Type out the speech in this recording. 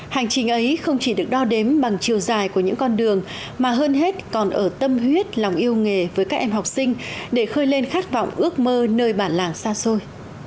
hành trình ấy không chỉ được đo đếm bằng chiều dài của những con đường mà hơn hết còn ở tâm huyết lòng yêu nghề với các em học sinh để khơi lên khát vọng ước mơ nơi bản làng xa xôi